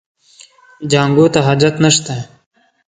جانکو ته حاجت نشته.